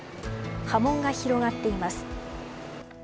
波紋が広がっています。